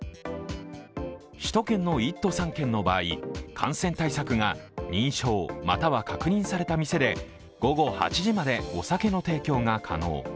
首都圏の１都３県の場合、感染対策が認証、または確認された店で午後８時までお酒の提供が可能。